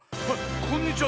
こんにちは